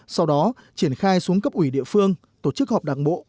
sau đó triển khai xuống cấp ủy địa phương tổ chức họp đảng bộ